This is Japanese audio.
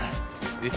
えっ？